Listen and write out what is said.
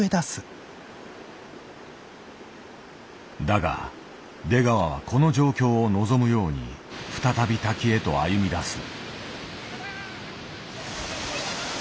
だが出川はこの状況を望むように再び滝へと歩み出す。